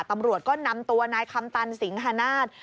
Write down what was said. ตำรวจก็นำตัวนายคำตันสิงหานาฏ